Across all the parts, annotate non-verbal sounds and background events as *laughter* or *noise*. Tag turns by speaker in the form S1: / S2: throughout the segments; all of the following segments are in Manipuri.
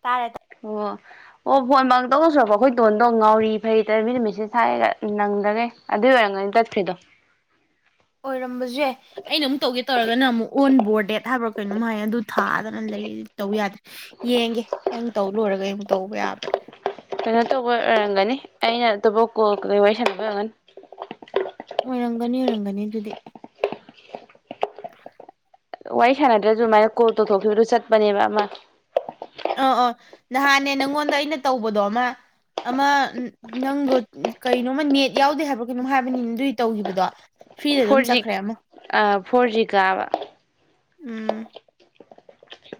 S1: ꯇꯥꯔꯦ
S2: ꯑꯣ ꯑꯣ ꯐꯣꯟ ꯃ ꯇꯧ ꯇꯧ ꯁꯨꯔꯛꯄꯣ ꯑꯩꯈꯣꯏ ꯇꯣꯟꯗꯣ ꯉꯥꯎꯔꯤ ꯐꯩ ꯇꯔ ꯃꯤ ꯅꯨ ꯃꯠꯁꯦ ꯊꯥꯏꯑꯒ ꯅꯪꯗ꯭ꯔꯒꯦ ꯑꯗꯨꯏ ꯑꯣꯏꯔꯝꯒꯅꯤ ꯆꯠꯈ꯭ꯔꯤꯗꯣ
S1: ꯑꯣꯏꯔꯝꯕꯁꯦ ꯑꯩꯅ ꯑꯃꯨꯛ ꯇꯧꯒꯦ ꯇꯧꯔꯒꯅ ꯑꯃꯨꯛ ꯑꯣꯟ ꯕꯣꯔꯗ ꯗꯦꯠ ꯍꯥꯏꯕ꯭ꯔꯣ ꯀꯩꯅꯣꯝ ꯍꯥꯏ ꯑꯗꯨ ꯊꯥꯗꯅ ꯂꯩ ꯇꯧ ꯌꯥꯗ꯭ꯔꯦ ꯌꯦꯡꯒꯦ ꯅꯪ ꯇꯧ ꯂꯣꯏꯔꯒ ꯑꯃꯨꯛ ꯇꯧꯕ ꯌꯥꯕ꯭ꯔꯥ
S2: ꯀꯩꯅꯣ ꯇꯧꯕ ꯑꯣꯏꯔꯝꯒꯅꯤ ꯑꯩꯅ ꯑꯇꯣꯞꯕꯨꯥꯎ ꯀꯣꯜ ꯋꯥꯔꯤ ꯁꯥꯟꯅꯕ ꯑꯣꯏꯔꯝꯒꯅꯤ
S1: ꯑꯣꯏꯔꯝꯒꯅꯤ ꯑꯣꯏꯔꯝꯒꯅꯤ ꯑꯗꯨꯗꯤ
S2: ꯋꯥꯔꯤ ꯁꯥꯟꯅꯗ꯭ꯔꯁꯨ ꯑꯗꯨꯃꯥꯏꯅ ꯀꯣꯜ ꯇꯧꯊꯣꯛꯈꯤꯕꯗꯨ ꯆꯠꯄꯅꯦꯕ ꯑꯃ
S1: ꯑ ꯑ ꯅꯍꯥꯟꯅꯦ ꯅꯪꯉꯣꯟꯗ ꯑꯩꯅ ꯇꯧꯕꯗꯣ ꯑꯃ ꯑꯃ ꯅꯪꯗꯣ ꯀꯩꯅꯣꯃ ꯅꯦꯠ ꯌꯥꯎꯗꯦ ꯍꯥꯏꯕ꯭ꯔꯥ ꯀꯩꯅꯣ ꯍꯥꯏꯕꯅꯤꯅ ꯑꯗꯨꯏ ꯇꯧꯈꯤꯕꯗꯣ ꯐ꯭ꯔꯤꯗ ꯑꯗꯨꯝ
S2: ꯐꯣꯔꯖꯤ
S1: ꯆꯠꯈ꯭ꯔꯦ ꯑꯃ
S2: ꯑ ꯐꯣꯔꯖꯤ ꯀꯥꯕ
S1: ꯎꯝ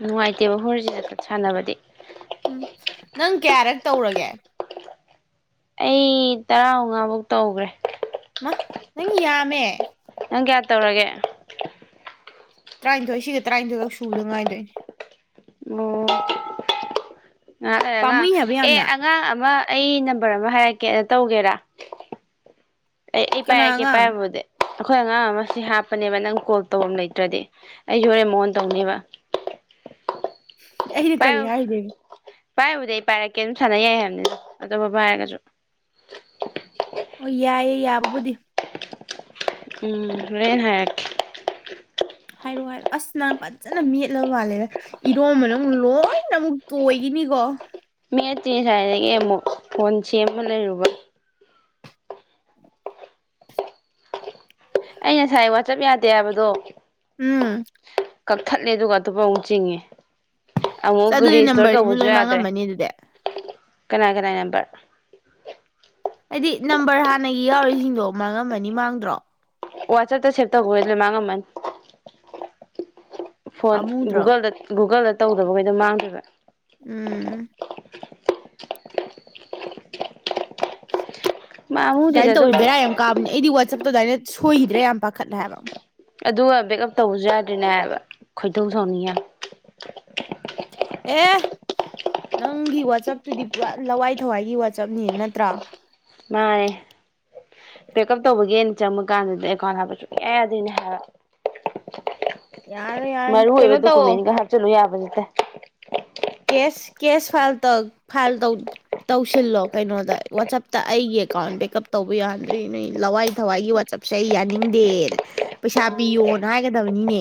S2: ꯅꯨꯡꯉꯥꯏꯇꯦꯕ ꯍꯣꯔꯁꯤꯗ ꯁꯥꯟꯅꯕꯗꯤ
S1: ꯎꯝ ꯅꯪ ꯀꯌꯥꯔꯛ ꯇꯧꯔꯒꯦ
S2: ꯑꯩ ꯇꯔꯥ ꯃꯉꯥꯃꯨꯛ ꯇꯧꯈ꯭ꯔꯦ
S1: ꯃꯥ ꯅꯪ ꯌꯥꯝꯃꯦ
S2: ꯄ ꯀꯌꯥ ꯇꯧꯔꯒꯦ
S1: ꯇꯔꯥꯅꯤꯊꯣꯏ ꯁꯤꯒ ꯇꯔꯥꯅꯤꯊꯣꯏꯈ ꯁꯨꯕꯗ ꯉꯥꯏꯗꯣꯏꯅꯦ
S2: ꯑꯉ
S1: ꯄꯥꯝꯃꯨꯏ ꯍꯥꯏꯕ
S2: ꯑꯦ
S1: ꯌꯥꯝꯅ
S2: ꯑꯉꯥꯡ ꯑꯃ ꯑꯩ ꯅꯝꯕꯔ ꯑꯃ ꯍꯥꯏꯔꯛꯀꯦꯅ ꯇꯧꯒꯦꯔꯥ ꯑꯩ ꯑꯩ
S1: ꯀꯅꯥ
S2: ꯄꯥꯏꯔꯛꯀꯦ
S1: ꯑꯉꯥꯡ
S2: ꯄꯥꯏꯔꯝꯃꯗꯤ ꯑꯩꯈꯣꯏ ꯑꯉꯥꯡ ꯑꯃꯁꯤ ꯍꯥꯞꯄꯅꯦꯕ ꯅꯪ ꯀꯣꯜ ꯇꯧꯝ ꯂꯩꯇ꯭ꯔꯗꯤ ꯑꯩ ꯌꯣꯔꯦ ꯃꯑꯣꯣꯟ ꯇꯧꯅꯦꯕ
S1: ꯑꯩꯅ ꯀꯔꯤ ꯍꯥꯏꯗꯦꯒꯦ
S2: ꯄꯥꯏꯕꯨꯗꯤ ꯑꯩ ꯄꯥꯏꯔꯛꯀꯦ ꯑꯗꯨꯝ ꯁꯥꯟꯅꯩꯏ ꯍꯥꯏꯕꯅꯤ ꯑꯇꯣꯞꯄ ꯄꯥꯏꯔꯒꯁꯨ
S1: ꯑꯣ ꯌꯥꯏꯌꯦꯦ ꯌꯥꯕꯕꯨꯗꯤ
S2: ꯎꯝ ꯔꯦꯟ ꯍ
S1: ꯍꯥꯏꯔꯣ ꯍꯥꯏꯔꯣ ꯑꯁ ꯅꯍ ꯐꯖꯅ ꯃꯦꯠꯂ ꯃꯥꯜꯂꯦꯗ ꯏꯔꯣꯝꯕꯅ ꯑꯃꯨꯛ ꯂꯣꯏꯅ ꯑꯃꯨꯛ ꯇꯣꯏꯈꯤꯅꯤꯀꯣ
S2: ꯃꯤꯠꯇ ꯁ꯭ꯋꯥꯏꯗꯒꯤ ꯑꯃꯨꯛ ꯀꯣꯟ ꯁꯦꯝꯃ ꯂꯩꯔꯨꯕ ꯑꯩ ꯉꯁꯥꯏ ꯋꯥꯆꯞ ꯌꯥꯗꯦ ꯍꯥꯏꯕꯗꯣ
S1: ꯎꯝ
S2: ꯀꯛꯊꯠꯂꯦ ꯑꯗꯨꯒ ꯑꯇꯣꯞꯄ ꯑꯃꯨꯛ ꯆꯤꯡꯉꯦ
S1: ꯆ
S2: ꯑꯃꯨꯛ
S1: ꯑꯗꯨꯗꯤ
S2: ꯔꯤꯁꯇꯣꯔ
S1: ꯅꯝꯕꯔꯁꯤꯅ
S2: ꯇꯧꯕꯁꯨ
S1: ꯂꯣꯏ
S2: ꯌꯥꯗ꯭ꯔꯦ
S1: ꯃꯥꯡꯉꯝꯃꯅꯤ ꯑꯗꯨꯗꯤ
S2: ꯀꯅꯥ ꯀꯅꯥ ꯅꯦꯝꯝꯕꯔ
S1: ꯍꯥꯏꯗꯤ ꯅꯝꯕꯔ ꯍꯥꯟꯅꯒꯤ ꯌꯥꯎꯔꯤꯁꯤꯡꯗꯣ ꯃꯥꯡꯉꯝꯃꯅꯤ ꯃꯥꯡꯗ꯭ꯔꯣ
S2: ꯋꯥꯆꯞꯇ ꯁꯦꯚ ꯇꯧꯈꯦ ꯂꯣꯏꯃꯥꯡꯃꯟ ꯐꯣꯟ
S1: ꯄꯥꯝꯃꯨꯗ꯭ꯔꯣ
S2: ꯨꯒꯜꯗ ꯨꯒꯜꯗ ꯇꯧꯗꯕꯈꯩꯗꯣ ꯃꯥꯡꯗꯣꯏꯕ
S1: ꯎꯝ *unintelligible*
S2: ꯃꯥꯡꯉꯨꯗꯦꯗ
S1: ꯑꯗꯨꯃꯥꯏꯅ ꯇꯧꯋꯤ
S2: ꯑꯗꯨꯕꯨꯗꯤ
S1: ꯕꯦꯔꯥ ꯌꯥꯝ ꯀꯥꯕꯅꯤ ꯑꯩꯗꯤ ꯋꯥ ꯆꯞꯄ ꯑꯗꯨꯗꯥꯥꯏꯅ ꯁꯣꯏꯈꯤꯗ꯭ꯔꯦ ꯌꯥꯝ ꯄꯥꯈꯠꯂꯦ ꯍꯥꯏꯕ
S2: ꯑꯗꯨꯒ ꯕꯦꯛꯑꯞ ꯇꯧꯕꯁꯨ ꯌꯥꯗ꯭ꯔꯤꯅꯦꯕ ꯈꯣꯏꯗꯧ ꯁꯥꯎꯅꯤꯡꯉ
S1: ꯑꯦ ꯅꯪꯒꯤ ꯋꯥꯆꯞꯇꯨꯗꯤ ꯄꯨꯔꯥ ꯂꯋꯥꯏ ꯊꯋꯥꯏꯒꯤ ꯋꯥꯆꯞꯅꯤ ꯅꯠꯇ꯭ꯔꯥ
S2: ꯃꯥꯅꯦ ꯄꯦꯛ ꯎꯞ ꯇꯧꯕꯒꯦꯅ ꯆꯪꯕ ꯀꯥꯟꯗꯗꯤ ꯑꯩꯀꯥꯎ ꯍꯥꯏꯕ ꯁꯨꯌꯥ ꯌꯥꯗꯣꯏꯅꯦ ꯍꯥꯏꯔꯛ
S1: ꯌꯥꯔꯣꯏ ꯌꯥꯔꯦ
S2: ꯃꯔꯨ ꯑꯣꯏꯕ
S1: ꯀꯩꯅꯣ ꯇꯧꯋꯣ
S2: ꯗꯣꯀꯨꯃꯦꯟꯒ ꯍꯥꯞꯆꯤꯜꯂꯨ ꯌꯥꯕꯅꯦ ꯦ *unintelligible*
S1: ꯀꯦꯁ ꯀꯦꯁ ꯐꯥꯏꯜ ꯐꯥꯏꯜꯧ ꯇꯧꯁꯤꯜꯂꯣ ꯀꯩꯅꯣꯗ ꯋꯥꯆꯞꯇ ꯑꯩꯒꯤ ꯑꯦꯀꯥꯎꯟ ꯕꯦꯛꯑꯞ ꯇꯧꯕ ꯌꯥꯗ꯭ꯔꯤ ꯅꯣꯏ ꯂꯋꯥꯏ ꯊꯋꯥꯏꯒꯤ ꯋꯥꯆꯞꯁꯦ ꯑꯩ ꯌꯥꯅꯤꯡꯗꯦꯅ ꯄꯩꯁꯥ ꯄꯤꯌꯣꯅ ꯍꯥꯏꯒꯗꯕꯅꯤꯅꯦ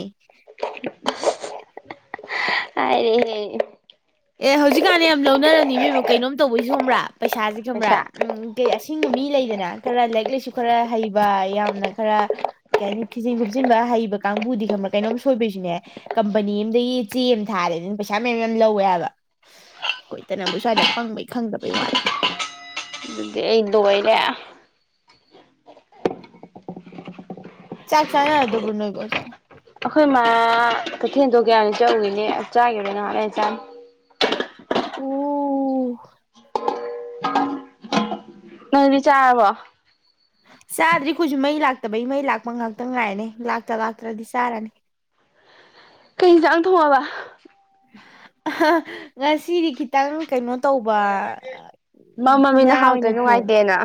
S2: ꯍꯥꯏꯔꯦꯍꯦ
S1: ꯑꯦ ꯍꯧꯖꯤꯛꯀꯥꯟꯅ ꯌꯥꯝ ꯂꯧꯅꯔꯅꯤ ꯃꯤꯦꯝꯃ ꯀꯩꯅꯣꯝ ꯇꯧꯕꯩ ꯁꯣꯕ꯭ꯔꯥ ꯄꯩꯁꯥꯁꯦ ꯈꯪꯕ꯭ꯔꯥ
S2: ꯄꯩꯁꯥ
S1: ꯎꯝ ꯀ ꯑꯁꯤꯡꯕ ꯃꯤ ꯂꯩꯗꯅ ꯈꯔ ꯂꯥꯏꯔꯤꯛ ꯂꯥꯏꯁꯨ ꯈꯔ ꯍꯩꯕ ꯌꯥꯝꯅ ꯈꯔ ꯀꯩ ꯍꯥꯏꯅꯤ ꯊꯤꯖꯤꯟ ꯈꯣꯞꯆꯤꯟꯕ ꯍꯩꯕ ꯀꯥꯡꯕꯨꯗꯤ ꯈꯪꯕ꯭ꯔꯥ ꯀꯩꯅꯣꯝ ꯁꯣꯏꯕꯩꯁꯨꯅꯦ ꯀꯝꯄꯅꯤ ꯑꯗꯒꯤ ꯆꯦ ꯑꯃ ꯊꯥꯔꯦꯅ ꯄꯩꯁꯥ ꯃꯌꯥꯝ ꯌꯥꯝ ꯂꯧꯋꯦ ꯍꯥꯏꯕ ꯍꯣꯏꯇꯅꯕꯨ ꯁ꯭ꯋꯥꯏꯗ ꯄꯪꯕꯩ ꯈꯪꯗꯕꯩ ꯋꯥꯅꯤꯦ
S2: ꯑꯗꯨꯗꯤ ꯑꯩꯗꯕꯩ ꯂ
S1: ꯆꯥꯛ ꯆꯥꯅ ꯗꯕꯔꯅꯣꯏꯕꯣ ꯆꯦ
S2: ꯑꯩꯈꯣꯏ ꯃꯥ ꯀꯩꯊꯦꯜꯗꯣ ꯀꯌꯥꯅ ꯆꯠꯎꯨꯔꯤꯅꯦ ꯆꯥꯈꯤꯕꯕꯅꯣꯅꯁꯥꯡ
S1: ꯑꯣ
S2: ꯅ ꯆꯥꯕꯣ
S1: ꯆꯥꯗ꯭ꯔꯤꯈꯣꯏꯁꯨ ꯃꯩ ꯂꯥꯛꯇꯕꯩ ꯃꯩ ꯂꯥꯛꯄ ꯉꯍꯥꯛꯇꯪ ꯉꯥꯏꯔꯅꯦ ꯂꯥꯛꯇ ꯂꯥꯛꯇ꯭ꯔꯗꯤ ꯆꯥꯔꯅꯤ
S2: ꯀꯩ ꯌꯦꯟꯁꯥꯡ ꯊꯣꯡꯉꯕ
S1: ꯉꯁꯤꯗꯤ ꯈꯤꯇꯪ ꯀꯩꯅꯣ ꯇꯧꯕ
S2: ꯃ
S1: ꯉꯥ
S2: ꯃꯃꯤꯅ
S1: ꯑꯣꯏꯅ
S2: ꯍꯥꯎꯗꯣꯏ
S1: ꯊꯣꯡ
S2: ꯅꯨꯡꯉꯥꯏꯇꯦꯅ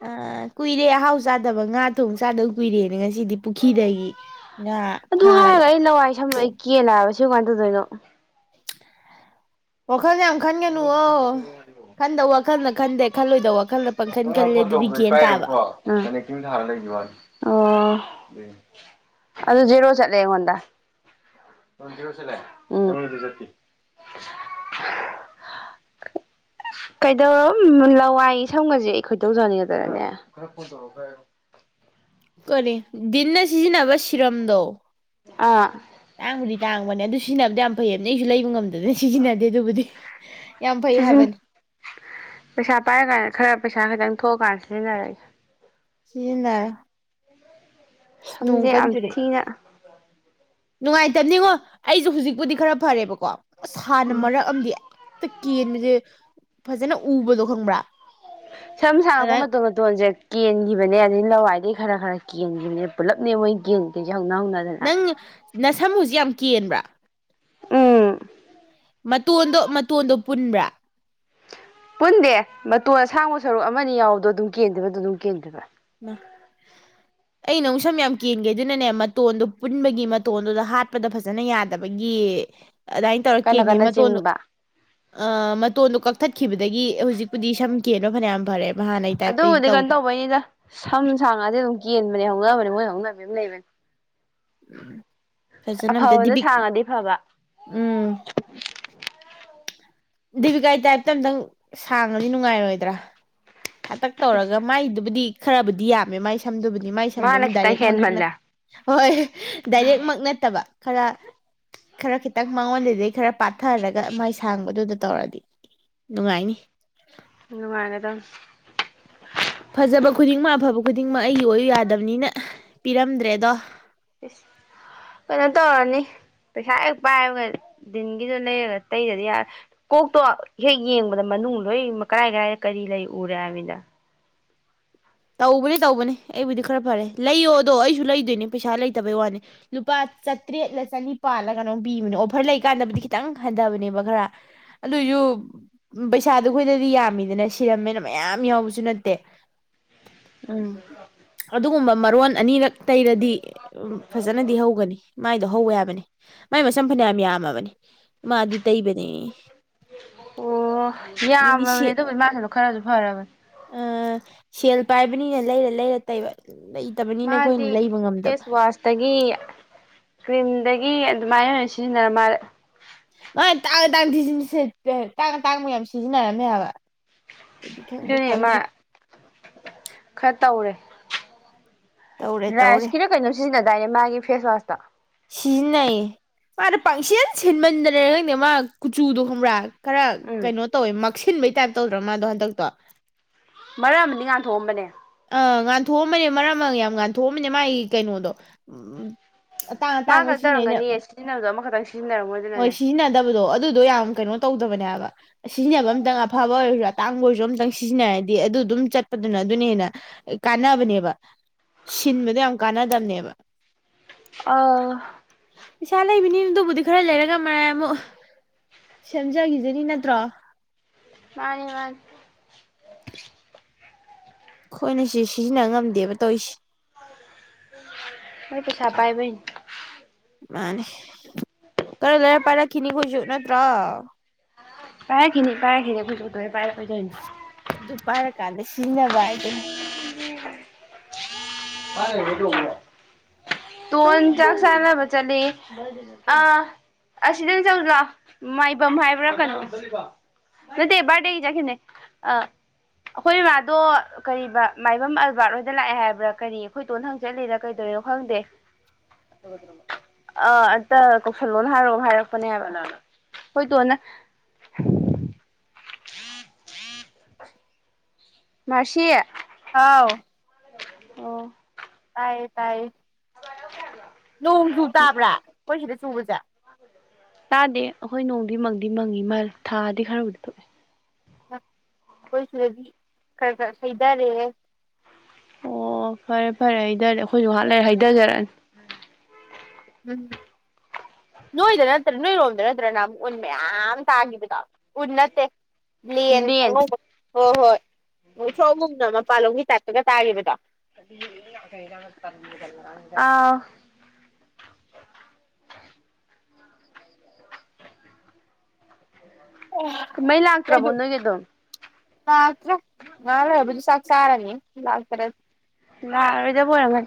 S1: ꯑ ꯀꯨꯏꯔꯦ ꯑꯍꯥꯎ ꯆꯥꯗꯕ ꯉꯥ ꯊꯣꯡ ꯆꯥꯗꯕ ꯀꯨꯏꯔꯦꯅꯦ ꯉꯁꯤꯗꯤ ꯄꯨꯈ꯭ꯔꯤꯗꯒꯤ ꯉꯥ ꯐꯥꯔꯒ
S2: ꯍꯥꯏꯔꯒ ꯑꯩ ꯂꯋꯥꯏ ꯁꯝꯂ ꯑꯩ
S1: ꯊꯣꯡ
S2: ꯀꯦꯂ ꯍꯥꯏꯕꯁꯦ ꯁꯤ ꯀꯗꯗꯣꯏꯩꯅꯣ
S1: ꯑꯣ ꯈꯔ ꯈꯟꯦꯅꯣ ꯈꯟ ꯋꯥ ꯋꯥ ꯋꯥꯈꯜꯅ ꯈꯟꯗꯦ ꯈꯜꯂꯣꯏꯗꯕ ꯋꯥꯈꯜꯅ ꯄꯪꯈꯟ
S2: ꯅꯪꯅ
S1: ꯈꯜꯂꯦ
S2: ꯐꯣꯟ
S1: ꯑꯗꯨꯗꯤ
S2: ꯇꯧꯕꯗ
S1: ꯒ꯭ꯌꯥꯟ ꯇꯥꯕ
S2: ꯄꯥꯏꯌꯦꯕꯀꯣ ꯀꯅꯀꯤꯤꯡ ꯊꯥꯔ ꯂꯩꯕ ꯋꯥꯅꯤ ꯑꯗꯨ ꯖꯔꯣ ꯆꯠꯂꯦ ꯑꯩꯉꯣꯟꯗ *unintelligible* ꯀꯩꯗꯧꯔꯣ ꯂꯋꯥꯏ ꯁꯝꯒꯁꯦ ꯈꯣꯏꯗꯧ ꯖꯥꯎꯅꯤꯡꯉꯛꯗꯔꯅꯦ
S1: ꯀꯔꯤ ꯗꯤꯟꯅ ꯁꯤꯖꯤꯟꯅꯕ ꯁꯤꯔꯝꯗꯣ
S2: ꯑꯥ
S1: ꯇꯥꯡꯕꯨꯗꯤ ꯇꯥꯡꯕꯅꯦ ꯑꯗꯨ ꯁꯤꯖꯤꯟꯅꯕꯗꯤ ꯌꯥꯝ ꯐꯩꯌꯦꯕꯅꯦ ꯑꯩꯁꯨ ꯂꯩꯕ ꯉꯝꯗꯗꯅ ꯁꯤꯖꯤꯟꯅꯗꯦ ꯑꯗꯨꯕꯨꯗꯤ ꯌꯥꯝ ꯐꯩ
S2: ꯁꯤꯁꯤꯡ
S1: ꯍꯥꯏꯕꯅꯤ
S2: ꯄꯩꯁꯥ ꯄꯥꯏꯔ ꯀꯥꯟꯅ ꯈꯔ ꯄꯩꯁꯥ ꯈꯤꯇꯪ ꯊꯣꯛꯑꯀꯥꯟꯗ ꯁꯤꯖꯤꯟꯅꯔꯒꯦ
S1: ꯁꯤꯁꯤꯟꯅꯔꯣ
S2: ꯁꯝꯖꯦ ꯌꯥꯝ ꯊꯤꯅ
S1: ꯅꯨꯡꯉꯥꯏꯇꯝꯅꯤꯉꯣ ꯑꯩꯁꯨ ꯍꯧꯖꯤꯛꯄꯨꯗꯤ ꯈꯔ ꯐꯔꯦꯕꯀꯣ ꯑꯁ ꯍꯥꯟꯅ ꯃꯔꯛ ꯑꯃꯗꯤ ꯍꯦꯛꯇ ꯀꯦꯟꯕꯖꯦ ꯐꯖꯅ ꯎꯕꯗꯣ ꯈꯪꯕ꯭ꯔꯥ
S2: ꯁꯝ ꯁꯥꯡꯉꯛꯄ
S1: ꯑꯗꯨꯃꯥꯏ
S2: ꯃꯇꯣꯟ ꯃꯇꯣꯟꯁꯦ ꯀꯦꯟ ꯒꯤꯕꯅꯦ ꯑꯗꯩ ꯂꯋꯥꯏꯗꯒꯩ ꯈꯔ ꯈꯔ ꯀꯦꯟꯈꯤꯕꯅꯦ ꯄꯨꯜꯂꯞꯅꯦ ꯃꯣꯏ ꯀꯦꯟꯒꯤ
S1: ꯅꯪ ꯅꯁꯝ ꯍꯨꯖꯤꯛ ꯌꯥꯝ ꯀꯦꯟꯕ꯭ꯔꯥ
S2: ꯎꯝ
S1: ꯃꯇꯣꯟꯗꯣ ꯃꯇꯣꯟꯗꯣ ꯄꯨꯟꯕ꯭ꯔꯥ
S2: ꯄꯨꯟꯗꯦ ꯃꯇꯣꯟ ꯑꯁꯥꯡꯕ ꯁꯔꯨꯛ ꯑꯃꯅꯤ ꯌꯥꯎꯕꯗꯣ ꯑꯗꯨꯝ ꯀꯦꯟꯗꯣꯏꯕ ꯑꯗꯨꯗꯨꯝ ꯀꯦꯟꯗꯣꯏꯕ
S1: ꯑꯩ ꯅꯃꯨꯛ ꯁꯝ ꯌꯥꯝ ꯀꯦꯟꯒꯦ ꯑꯗꯨꯅꯅꯦ ꯃꯇꯣꯟꯗꯣ ꯄꯨꯟꯕꯒꯤ ꯃꯇꯣꯟꯗꯨꯗ ꯍꯥꯠꯄꯗ ꯐꯖꯅ ꯌꯥꯗꯕꯒꯤ ꯑꯗꯥꯏꯟꯅ ꯇꯧꯔꯛ
S2: ꯀꯟꯅ
S1: ꯀꯦꯟꯒꯤ
S2: ꯀꯟꯅ
S1: ꯃꯇꯣꯟꯗꯣ
S2: ꯆꯤꯡꯕ
S1: ꯑ ꯃꯇꯣꯟꯗꯣ ꯀꯛꯊꯠꯈꯤꯕꯗꯒꯤ ꯍꯧꯖꯤꯛꯄꯨꯗꯤ ꯁꯝ ꯀꯦꯟꯕ ꯐꯅꯌꯥꯝ ꯐꯔꯦ
S2: ꯑꯗꯨꯕꯨꯗꯤ ꯒꯩꯅꯣ ꯇꯧꯕꯩꯅꯤꯗ ꯁꯝ ꯁꯥꯥꯡ ꯉꯥꯗꯤ ꯑꯗꯨꯝ ꯀꯦꯟꯕꯅꯦ ꯍꯧꯅꯕꯅꯦ ꯃꯣꯏ ꯍꯧꯅꯕꯤ ꯑꯃ ꯂꯩꯕꯅꯤ
S1: ꯎꯝ ꯐꯁꯅꯑꯝꯗꯗꯤ‌ ꯚꯤꯛ
S2: ꯁꯥꯡꯉꯗꯤ ꯐꯕ
S1: ꯎꯝ ꯗꯦꯕꯤꯀꯥꯒꯤ ꯇꯥꯏꯞꯇ ꯑꯝꯇꯪ ꯁꯥꯡꯉꯗꯤ ꯅꯨꯡꯉꯥꯏꯔꯣꯏꯗ꯭ꯔꯥ ꯊꯥꯛꯇꯛ ꯇꯧꯔꯒ ꯃꯥꯏꯗꯨꯕꯨꯗꯤ ꯈꯔꯕꯨꯗꯤ ꯌꯥꯝꯃꯦ ꯃꯥꯏꯁꯦ ꯁꯝꯗꯨꯕꯨꯗꯤ ꯃꯥꯏ ꯁꯝꯗꯨꯝ
S2: ꯃꯥꯅ ꯈꯤꯇꯪ
S1: ꯗꯥꯏꯔꯦꯛꯃꯛꯇꯤ ꯅꯠ
S2: ꯍꯦꯟꯃꯜꯂꯦ
S1: ꯍꯣꯏ ꯗꯥꯏꯔꯦꯛꯃꯛ ꯅꯠꯇꯕ ꯈꯔ ꯈꯔ ꯈꯤꯇꯪ ꯃꯥꯡꯉꯣꯟꯗꯗꯩ ꯈꯔ ꯄꯥꯊꯔꯒ ꯃꯥꯏ ꯁꯥꯡꯕꯗꯨꯗ ꯇꯧꯔꯗꯤ ꯅꯨꯡꯉꯥꯏꯅꯤ
S2: ꯅꯨꯉꯥꯏꯒꯗꯝꯅꯤ
S1: ꯐꯖꯕ ꯈꯨꯗꯤꯡꯃꯛ ꯑꯐꯕ ꯈꯨꯗꯤꯡꯃꯛ ꯑꯩꯒꯤ ꯑꯣꯏꯎ ꯌꯥꯗꯕꯅꯤꯅ ꯄꯤꯔꯝꯗ꯭ꯔꯦꯗꯣ
S2: ꯏꯁ ꯏꯁ ꯀꯩꯅꯣ ꯇꯧꯔꯅꯤ ꯄꯩꯁꯥ ꯍꯦꯛ ꯄꯥꯏꯕꯒ ꯗꯤꯟꯒꯤꯗ ꯂꯩꯔꯒ ꯇꯩꯗꯗꯤ ꯌꯥꯔꯦ ꯀꯣꯛꯇꯣ ꯍꯦꯛ ꯌꯦꯡꯕꯗ ꯃꯅꯨꯡ ꯂꯣꯏ ꯀꯔꯥꯏ ꯀꯔꯥꯏꯗ ꯀꯔꯤ ꯂꯩ ꯎꯔꯦ ꯍꯥꯏꯃꯤꯗ
S1: ꯇꯧꯕꯅꯤ ꯇꯧꯕꯅꯤ ꯑꯩꯕꯨꯗꯤ ꯈꯔ ꯐꯔꯦ ꯂꯩꯌꯣꯗꯣ ꯑꯩꯁꯨ ꯂꯩꯗꯣꯏꯅꯦ ꯄꯩꯁꯥ ꯂꯩꯇꯕꯩ ꯋꯥꯅꯤ ꯂꯨꯄꯥ ꯆꯥꯇ꯭ꯔꯦꯠꯂ ꯆꯅꯤꯄꯥꯜꯂ ꯀꯩꯅꯣꯝ ꯄꯤꯕꯅꯦ ꯑꯣꯐꯔ ꯂꯩꯀꯥꯟꯗꯕꯨꯗꯤ ꯈꯤꯇꯪ ꯍꯟꯊꯕꯅꯦꯕ ꯈꯔ ꯑꯗꯨꯑꯣꯏꯁꯨ ꯄꯩꯁꯥꯗꯣ ꯑꯩꯈꯣꯏꯗꯗꯤ ꯌꯥꯝꯃꯤꯗꯅ ꯁꯤꯔꯝꯃꯦꯅ ꯃꯌꯥꯝ ꯌꯥꯎꯕꯁꯨ ꯅꯠꯇꯦ
S2: ꯎꯝ
S1: ꯑꯗꯨꯒꯨꯝꯕ ꯃꯔꯣꯟ ꯑꯅꯤꯔꯛ ꯇꯩꯔꯗꯤ ꯎꯝ ꯐꯖꯅꯗꯤ ꯍꯧꯒꯅꯤ ꯃꯥꯏꯗꯣ ꯍꯧꯋꯦ ꯍꯥꯏꯕꯅꯤ ꯃꯥꯏ ꯃꯁꯝ ꯐꯅꯌꯥꯝ ꯌꯥꯝꯃꯕꯅꯤ ꯃꯥ ꯑꯗꯨ ꯇꯩꯕꯅꯤ
S2: ꯑꯣ ꯌꯥꯝꯃꯕꯅꯦ ꯑꯗꯨꯕꯨꯗꯤ ꯃꯥꯏ ꯁꯝꯗꯣ ꯈꯔꯁꯨ ꯐꯔꯕꯅꯦ
S1: ꯁꯦꯜ ꯄꯥꯏꯕꯅꯤꯅ ꯂꯩꯔ ꯂꯩꯔ ꯇꯩꯕ ꯂꯩꯇꯕꯅꯤꯅ ꯑꯩꯈꯣꯏꯅ
S2: ꯃꯥꯗꯤ
S1: ꯂꯩꯕ ꯉꯝꯗꯕ
S2: ꯐꯦꯁ ꯋꯥꯁꯇꯒꯤ ꯀ꯭ꯔꯤꯝ ꯑꯗꯒꯤ ꯑꯗꯨꯃꯥꯏꯅ ꯑꯣꯏꯅ ꯁꯤꯖꯤꯟꯅꯔ ꯃꯥꯜꯂꯦ
S1: ꯃꯥꯏ ꯑꯇꯥꯡ ꯑꯇꯥꯡ *unintelligible* ꯑꯇꯥꯡ ꯑꯇꯥꯡꯕ ꯌꯥꯝ ꯁꯤꯖꯤꯟꯅꯔꯝꯃꯦ ꯍꯥꯏꯕ ꯑꯩꯗꯤ ꯈꯪꯕ
S2: ꯑꯗꯨꯅꯦ ꯃꯥ
S1: ꯈꯪꯗꯦ
S2: ꯈꯔ ꯇꯧꯔꯦ
S1: ꯇꯧꯔꯦ ꯇꯧꯔꯦ
S2: ꯔꯥꯏꯁ ꯀꯤꯗꯣ ꯀꯩꯅꯣꯝ ꯁꯤꯖꯤꯟꯅ ꯗꯥꯏꯅꯦ ꯃꯥꯒꯤ ꯐꯦꯁ ꯋꯥꯁꯇꯣ
S1: ꯁꯤꯖꯤꯟꯅꯩꯌꯦ ꯃꯥꯅ ꯄꯪꯁꯤꯟ ꯁꯤꯟꯃꯟꯗꯅꯔ ꯈꯪꯗꯦ ꯃꯥ ꯀꯨꯆꯨꯗꯣ ꯈꯪꯕ꯭ꯔꯥ ꯈꯔ
S2: ꯎꯝ
S1: ꯀꯩꯅꯣ ꯇꯧꯋꯦ ꯃꯛꯁꯤꯟꯕꯩ ꯇꯥꯏꯞ ꯇꯧꯗ꯭ꯔꯥ ꯃꯥꯗꯣ ꯍꯟꯗꯛꯇꯣ
S2: ꯃꯔꯛ ꯑꯃꯗꯤ ꯉꯥꯟ ꯊꯣꯛꯑꯝꯕꯅꯦ
S1: ꯑꯑ ꯉꯥꯟꯊꯣꯛꯑꯝꯕꯅꯦ ꯃꯔꯛ ꯑꯃ ꯌꯥꯝ ꯉꯥꯟꯊꯣꯛꯑꯝꯕꯅꯦ ꯃꯥꯒꯤ ꯀꯩꯅꯣꯗꯣ ꯑꯇꯥꯡ
S2: ꯃꯥ
S1: ꯑꯇꯥꯡꯕ
S2: ꯈꯛ
S1: ꯁꯤꯖꯤꯟꯅꯩꯅ
S2: ꯇꯧꯔꯝꯒꯅꯤꯌꯦ ꯁꯤꯖꯤꯟꯅꯕꯗꯣ ꯑꯃꯈꯛꯇꯪ ꯁꯤꯖꯤꯟꯅꯔꯝꯃꯣꯏ
S1: ꯍꯣꯏ
S2: ꯑꯗꯨꯅꯅꯦ
S1: ꯁꯤꯖꯤꯟꯅꯗꯕꯗꯣ ꯑꯗꯨꯗꯣ ꯌꯥꯝ ꯀꯩꯅꯣ ꯇꯧꯗꯕꯅꯦ ꯍꯥꯏꯕ ꯁꯤꯖꯤꯟꯅꯕ ꯑꯝꯇꯪ ꯑꯐꯕ ꯑꯣꯏꯔꯁꯨ ꯑꯇꯥꯡꯕ ꯑꯣꯏꯔꯁꯨ ꯑꯝꯇꯪ ꯁꯤꯖꯤꯟꯅꯔꯗꯤ ꯑꯗꯨ ꯑꯗꯨꯝ ꯆꯠꯄꯗꯨꯅ ꯑꯗꯨꯅ ꯍꯦꯟꯅ ꯀꯥꯟꯅꯕꯅꯦꯕ ꯁꯤꯟꯕꯗ ꯌꯥꯝ ꯀꯥꯟꯅꯗꯕꯅꯦꯕ
S2: ꯑꯥ
S1: ꯄꯩꯁꯥ ꯂꯩꯕꯅꯤꯅ ꯑꯗꯨꯕꯨꯗꯤ ꯈꯔ ꯂꯩꯔꯒ ꯃꯔꯥꯏ ꯑꯃꯨꯛ ꯁꯦꯝꯖꯒꯤꯖꯅꯤ ꯅꯠꯇ꯭ꯔꯣ
S2: ꯃꯥꯅꯤ ꯃꯥꯅꯤ
S1: ꯑꯩꯈꯣꯏꯅ ꯁꯤ ꯁꯤꯖꯤꯟꯅ ꯉꯝꯗꯦꯕ ꯇꯧꯏꯁꯤ
S2: ꯃꯥꯏ ꯄꯩꯁꯥ ꯄꯥꯏꯕꯩꯅꯤ
S1: ꯃꯥꯅꯦ ꯈꯔ ꯂꯩꯔ ꯄꯥꯏꯔꯛꯈꯤꯅꯤ ꯑꯈꯣꯏꯁꯨ ꯅꯠꯇ꯭ꯔꯣ
S2: ꯄꯥꯏꯔꯛꯈꯤꯅꯤ ꯄꯥꯏꯔꯛꯈꯤꯅꯤ ꯑꯩꯈꯣꯏ ꯇꯣꯏ ꯄꯥꯏ ꯑꯩ ꯀꯩꯅ
S1: ꯀꯥꯟꯗꯩ ꯁꯤꯖꯤꯟꯅꯕ ꯑꯥꯏꯠꯇꯅꯤ
S2: *unintelligible* ꯇꯣꯟ ꯆꯥꯛ ꯆꯥꯟꯅꯕ ꯆꯠꯂꯦꯌꯦ ꯑꯥ ꯑꯁꯤꯗ ꯆꯪꯉꯨꯖꯤ ꯂꯥꯛꯑꯣ ꯃꯥꯏꯕꯝ ꯍꯥꯏꯕ꯭ꯔꯥ ꯀꯩꯅꯣ ꯅꯠꯇꯦ ꯕꯥꯔꯗꯦꯒꯤ ꯆꯠꯈꯤꯝꯅꯦ ꯑ ꯑꯈꯣꯏ ꯏꯃꯥꯗꯣ ꯀꯔꯤꯕ ꯃꯥꯏꯕꯝ ꯑꯜꯕꯥꯔꯠ ꯍꯣꯏꯗ ꯂꯥꯛꯑꯦ ꯍꯥꯏꯕ ꯀꯔꯤ ꯑꯩꯈꯣꯏꯇꯣꯟꯅ ꯍꯪ ꯆꯠꯂꯤꯔ ꯀꯩꯗꯧꯔꯤꯅꯣ ꯈꯪꯗꯦ ꯑꯥ ꯑꯝꯇ ꯀꯧꯁꯜꯂꯣꯅ ꯍꯥꯏꯔꯣ ꯍꯥꯏꯔꯛꯄꯅꯦꯕ ꯀꯅꯥꯅ ꯑꯩꯈꯣꯏ ꯇꯣꯟꯅ ꯃꯥꯔꯁꯤ
S1: ꯍꯥꯎ
S2: ꯑꯣ
S1: ꯇꯥꯏꯌꯦ ꯇꯥꯏꯌꯦ ꯅꯣꯡꯖꯨ ꯇꯥꯕ꯭ꯔꯥ ꯑꯩꯈꯣꯏ ꯁꯤꯗ ꯆꯨꯕꯖꯦ
S2: ꯇꯥꯗꯦ ꯑꯩꯈꯣꯏ ꯅꯣꯡꯗꯤ ꯃꯪꯗꯤ ꯃꯪꯉꯤ ꯃꯥꯜꯂꯦ ꯊꯥꯗꯤ ꯈꯔꯕꯨꯗꯤ ꯊꯣꯛꯑꯦ
S1: ꯑꯩꯈꯣꯏ ꯁꯤꯗꯗꯤ ꯈꯔ ꯈꯔ ꯑꯁꯣꯏꯕ ꯂꯩꯔꯦ
S2: ꯑꯣ ꯐꯔꯦ ꯐꯔꯦ ꯍꯩꯗꯔꯦ ꯑꯩꯈꯣꯏꯁꯨ ꯉꯍꯥꯛ ꯂꯩꯔ ꯍꯩꯗꯖꯔꯛꯑꯅꯤ
S1: ꯎꯝ ꯅꯣꯏꯗ ꯅꯠꯇ꯭ꯔ ꯅꯣꯏꯔꯣꯝꯗ ꯅꯠꯇ꯭ꯔ ꯅꯍꯥꯅꯨꯛ ꯎꯟ ꯃꯌꯥꯝ ꯇꯥꯒꯤꯕꯗꯣ ꯎꯟ ꯅꯠꯇꯦ ꯦꯟ
S2: ꯂꯦꯟ
S1: ꯑꯉꯧꯕ ꯍꯣꯏ ꯍꯣꯏ ꯉꯨꯊ꯭ꯔ ꯑꯍꯨꯝꯅ ꯎꯄꯥꯜꯂꯧꯒꯤ ꯇꯥꯏꯞꯇꯒ ꯇꯥꯈꯤꯕꯗꯣ
S2: ꯑ ꯀꯍꯩ ꯂꯥꯛꯇ꯭ꯔꯕꯣ ꯅꯣꯏꯒꯤ ꯑꯗꯨꯝ
S1: ꯂꯇ꯭ꯔ ꯅꯅꯥꯦ ꯑꯣꯏꯕꯗꯤ ꯁꯥꯀ ꯆꯔꯅꯤ ꯏ ꯂꯥꯛ ꯇꯔ
S2: ꯔꯣꯏꯗꯕꯔꯃ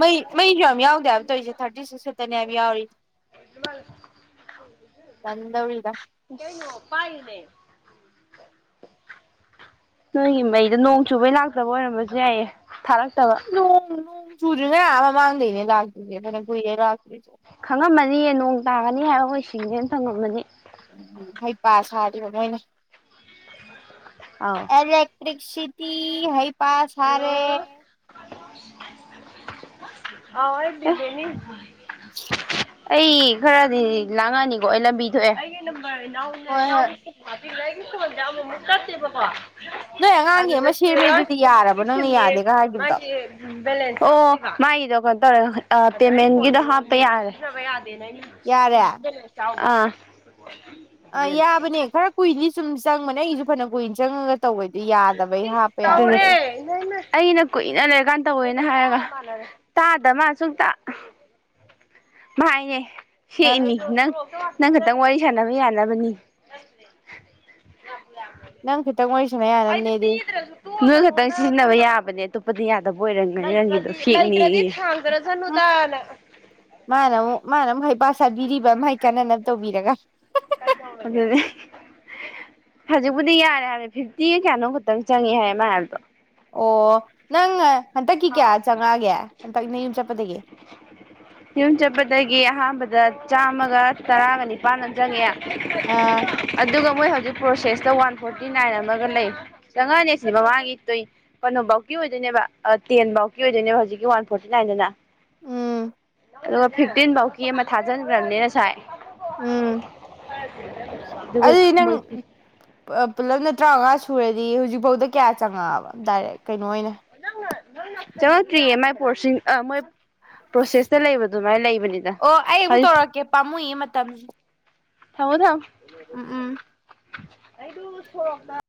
S1: ꯃꯩ ꯃꯩꯁꯨ ꯌꯥꯝ ꯌꯥꯎꯗꯦ ꯍꯥꯏꯕ ꯇꯧꯔꯤꯁꯦ ꯊꯥꯔꯇꯤ ꯁꯤꯛꯁ ꯈꯛꯇꯅꯦ ꯍꯥꯏꯕ ꯌꯥꯎꯔꯤꯁ ꯇꯟꯗꯧꯔꯤꯗ
S2: ꯀꯄꯅꯦ ꯅꯣꯏꯒꯤ ꯃꯩꯗ ꯅꯣꯡ ꯆꯨꯕꯩ ꯂꯥꯛꯇꯕ ꯑꯣꯏꯔꯝꯕꯁꯨ ꯌꯥꯏꯑ ꯊꯥꯔꯛ
S1: ꯎꯣꯡ ꯆꯨꯔꯔꯤꯅꯌꯥꯝ ꯃꯥꯥꯡꯗꯩꯅꯦ ꯂ ꯐꯅ ꯄꯨꯏꯌꯦ ꯔꯥꯁ
S2: ꯃꯥꯅꯤ ꯍꯥꯏꯔ ꯑꯣꯏ ꯏꯁꯤꯡꯁꯦꯅ ꯐꯪꯉꯝꯃꯅꯤ
S1: ꯎꯝ ꯍꯩꯄꯥ ꯁꯥꯔꯤꯕ ꯃꯣꯏꯅ
S2: ꯑꯥꯎ
S1: ꯏꯂꯦꯛꯇ꯭ꯔꯔꯤꯁꯤ ꯇ ꯍꯥꯏ ꯄꯥꯁ ꯍꯔꯦ
S2: ꯑ ꯀꯅꯤ
S1: *unintelligible*
S2: ꯑꯩ ꯈꯔꯗꯤ ꯂꯥꯡꯉꯅꯤꯀꯣ ꯑꯩ ꯂꯝꯕꯤ ꯊꯣꯛꯑꯦ
S1: ꯍꯣꯏ ꯍꯣꯏ
S2: *unintelligible* ꯥꯏꯒꯤ ꯁꯣꯟꯗ ꯑꯃꯃꯨꯛ ꯆꯠꯁꯦꯕꯀꯣ
S1: ꯅꯣꯏ ꯑꯉꯥꯡꯒꯤ ꯑꯃ ꯁꯦꯝꯃꯦꯗꯨꯗꯤ ꯌꯥꯔꯕ ꯅꯪꯅ ꯌꯥꯗꯦꯒ ꯍꯥꯏꯈꯤꯕꯗꯣ
S2: ꯑꯣ ꯃꯥꯒꯤꯗꯣ ꯀꯩꯅꯣ ꯇꯧꯔꯦ ꯄꯦꯃꯦꯟꯒꯤꯗꯣ ꯍꯥꯞꯄ ꯌꯥꯔꯦ ꯅꯅꯤ ꯁꯤꯝꯄꯜ ꯆ ꯑꯥ
S1: ꯑ ꯌꯥꯕꯅꯦ ꯈꯔ ꯀꯨꯏꯅꯤ ꯁꯨꯝ ꯆꯪꯕꯅꯦ ꯑꯩꯁꯨ ꯐꯅ ꯀꯨꯏꯅ ꯆꯪꯉꯒ ꯇꯧꯕꯩꯗꯤ ꯌꯥꯗꯕꯩ ꯍꯥꯞꯄ
S2: ꯇꯦ
S1: ꯌꯥꯗꯕꯩ
S2: ꯑꯩꯅ ꯀꯨꯏꯅ ꯂꯩꯔꯀꯥꯟ ꯇꯧꯅꯦ ꯍꯥꯏꯔꯒ ꯇꯥꯗꯃ ꯁꯨꯡ ꯇ ꯃꯥꯥꯏꯅꯦ
S1: ꯑꯥ
S2: ꯍꯦꯅꯤ ꯅ ꯅꯪ ꯈꯛꯇꯪ ꯋꯥꯔꯤ ꯁꯥꯟꯅꯕ ꯌꯥꯅꯕꯅꯤ
S1: ꯅꯪ ꯆ
S2: *unintelligible* ꯅꯣꯏ ꯈꯛꯇꯪ ꯁꯤꯖꯤꯟꯅꯕ ꯌꯥꯕꯅꯦ ꯑꯗꯨꯝ꯫ *unintelligible* ꯌꯥꯗꯕ ꯑꯣꯏꯔꯝꯒꯅꯤ ꯅꯪꯒꯤꯗꯣ ꯐꯦꯛꯅꯦꯌꯦ꯫
S1: ꯎꯝ ꯃꯥꯅꯃꯨꯛ ꯃꯥꯅꯃꯨꯛ ꯍꯩꯄꯥ ꯁꯥꯕꯤꯔꯤꯕ ꯃꯥꯏ ꯀꯥꯟꯅꯅꯕ ꯇꯧꯕꯤꯔꯒ꯫
S2: *unintelligible* ꯍꯧꯖꯤꯛꯄꯨꯗꯤ ꯌꯥꯔꯦ ꯍꯥꯏꯃꯦ ꯐꯤꯐꯇꯤ ꯀꯌꯥꯅꯣ ꯈꯛꯇꯪ ꯆꯪꯉꯛꯑꯦ ꯍꯥꯏꯌꯦ ꯃꯥ ꯍꯥꯏꯕꯗꯣ꯫
S1: ꯑꯣ ꯅꯪꯉ ꯍꯟꯇꯛꯀꯤ ꯀꯌꯥ ꯆꯪꯉꯛꯑꯒꯦ ꯍꯟꯇꯛ ꯅꯌꯨꯝ ꯆꯠꯄꯗꯒꯤ
S2: ꯗ ꯆꯥꯝꯃꯒ ꯇꯔꯥꯒꯅꯤꯄꯥꯥꯟ ꯑꯃ ꯆꯪꯉꯦ
S1: ꯑꯥ꯫
S2: ꯃꯣꯏ ꯍꯧꯖꯤꯛ ꯄ꯭ꯔꯣꯁꯦꯁꯇ ꯋꯥꯟ ꯐꯣꯔꯇꯤ ꯅꯥꯏꯟ ꯑꯃꯒ ꯂꯩ꯫ ꯆꯪꯉꯛꯑꯅꯤ ꯑꯁꯤ ꯃꯃꯥꯒꯤ *unintelligible* ꯀꯩꯅꯣꯕꯥꯎꯀꯤ ꯑꯣꯏꯗꯣꯏꯅꯦꯕ꯫ ꯑꯥ ꯇꯦꯟꯕꯥꯎꯀꯤ ꯑꯣꯏꯗꯣꯏꯅꯦꯕ ꯍꯧꯖꯤꯛꯀꯤ ꯋꯥꯟ ꯐꯣꯔꯇꯤ ꯅꯥꯏꯟꯗꯨꯅ꯫
S1: ꯎꯝ
S2: ꯑꯗꯨꯒ ꯐꯤꯐꯇꯤꯟ ꯕꯥꯎꯀꯤ ꯑꯃ ꯊꯥꯖꯟꯒ꯭ꯔꯕꯅꯤ ꯉꯁꯥꯏ꯫
S1: ꯎꯝ
S2: ꯑꯗꯨꯒ
S1: ꯑꯗꯨꯗꯤ ꯅꯪ
S2: ꯃꯣꯏ
S1: ꯑꯥ ꯄꯨꯂꯞꯅ ꯇꯔꯥꯎꯉꯥ ꯁꯨꯔꯗꯤ ꯍꯧꯖꯤꯛꯐꯥꯎꯗ ꯀꯌꯥ ꯆꯪꯉꯛꯑꯕ ꯗꯥꯏꯔꯦꯛ ꯀꯩꯅꯣ ꯑꯣꯏꯅ
S2: *unintelligible* ꯆꯡꯉꯛꯇ꯭ꯔꯤꯌꯦ ꯃꯥꯏ ꯄꯔꯣꯁꯤꯡ ꯑꯥ ꯃꯣꯏ ꯄ꯭ꯔꯣꯁꯦꯁꯇ ꯂꯩꯕ ꯑꯗꯨꯃꯥꯏꯅ ꯂꯩꯕꯅꯤꯗ
S1: ꯑꯣ ꯑꯩ ꯑꯃꯨ
S2: ꯍꯧꯖꯤꯛ
S1: ꯇꯧꯔꯛꯀꯦ ꯄꯥꯝꯃꯨꯢꯌꯦ ꯃꯇꯝ
S2: ꯊꯝꯃꯨ ꯊꯝꯃꯨ꯫ ꯑꯩꯗꯨ ꯁꯣꯔꯣꯛꯇ